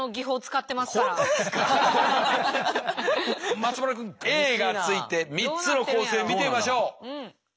松丸君Ａがついて３つの構成見てみましょう。